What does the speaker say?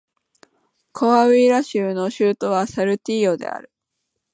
コアウイラ州の州都はサルティーヨである